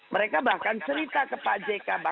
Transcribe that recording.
mereka bahkan cerita ke pak jk